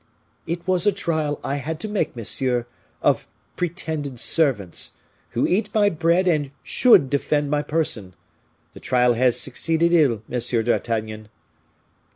"It was a trial I had to make, monsieur, of pretended servants, who eat my bread and should defend my person. The trial has succeeded ill, Monsieur d'Artagnan."